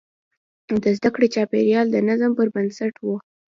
د زده کړې چاپېریال د نظم پر بنسټ و.